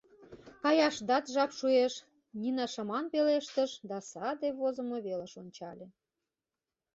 — Каяшдат жап шуэш, — Нина шыман пелештыш да саде возымо велыш ончале.